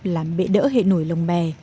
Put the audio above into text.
làm bệ đỡ hệ nổi lồng bè